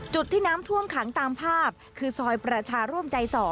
จุดที่น้ำท่วมขังตามภาพคือซอยประชาร่วมใจ๒